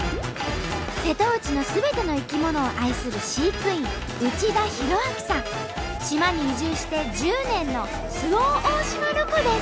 瀬戸内のすべての生き物を愛する飼育員島に移住して１０年の周防大島ロコです。